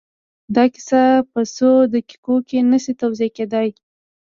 دا کيسه په څو دقيقو کې نه شي توضيح کېدای.